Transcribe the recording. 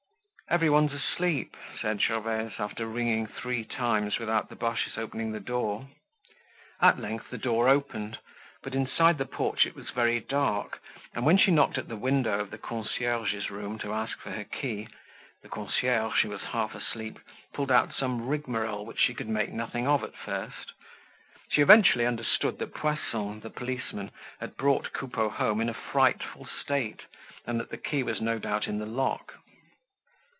"Everyone's asleep," said Gervaise, after ringing three times without the Boches opening the door. At length the door opened, but inside the porch it was very dark, and when she knocked at the window of the concierge's room to ask for her key, the concierge, who was half asleep, pulled out some rigmarole which she could make nothing of at first. She eventually understood that Poisson, the policeman, had brought Coupeau home in a frightful state, and that the key was no doubt in the lock.